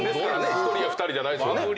１人や２人じゃないですよね。